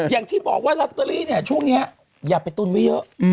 อย่างที่บอกว่ารัตตรีช่วงนี้อย่าไปตูนไว้เยอะ